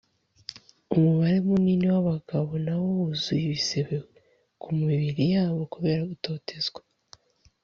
umubare munini w’abagabo nawo wuzuye ibisebe ku mibiri yabo kubera gutotezwa